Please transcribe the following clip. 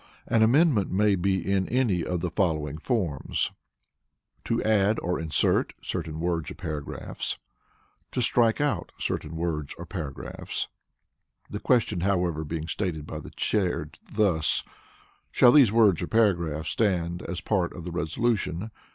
An Amendment may be in any of the following forms: (a) to "add or insert" certain words or paragraphs; (b) to "strike out" certain words or paragraphs, the question, however, being stated by the Chair thus: "Shall these words (or paragraphs) stand as a part of the resolution?"